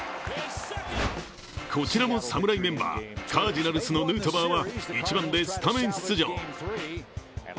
こちらも、侍メンバーカージナルスのヌートバーは１番でスタメン出場。